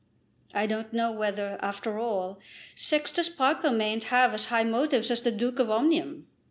I don't know whether, after all, Sextus Parker mayn't have as high motives as the Duke of Omnium.